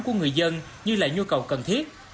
của người dân như là nhu cầu cần thiết